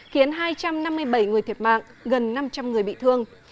khiến hai trăm năm mươi bảy người thiệt mạng gần năm trăm linh người bị thương